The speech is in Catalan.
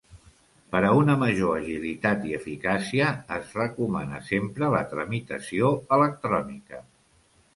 Per a una major agilitat i eficàcia es recomana sempre la tramitació electrònica.